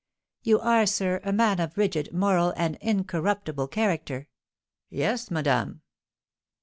"You are, sir, a man of rigid, moral, and incorruptible character." "Yes, madame."